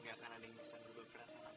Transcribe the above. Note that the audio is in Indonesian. enggak akan ada yang bisa berubah perasaan aku